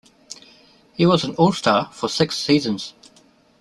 He was an All-Star for six seasons.